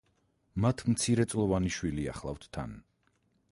მათ მცირეწლოვანი შვილი ახლავთ თან.